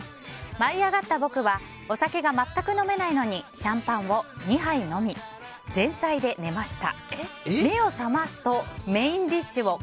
舞い上がった僕はお酒が全く飲めないのにシャンパンを２杯飲み前菜で寝ました。